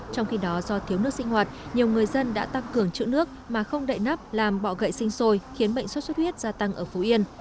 trong khi đó do thiếu nước sinh hoạt nhiều người dân đã tăng cường chữ nước mà không đậy nắp làm bọ gậy sinh sôi khiến bệnh xuất xuất huyết gia tăng ở phú yên